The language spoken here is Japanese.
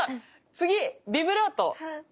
次ビブラート。